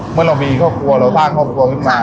เมื่อเรามีครอบครัวเราสร้างครอบครัวขึ้นมา